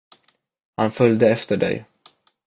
Han följde efter dig.